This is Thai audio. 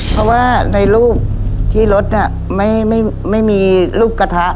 เพราะว่าในรูปที่รถน่ะไม่ไม่ไม่มีรูปกระทะ